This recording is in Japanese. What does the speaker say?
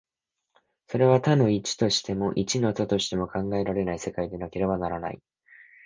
それは多の一としても、一の多としても考えられない世界でなければならない。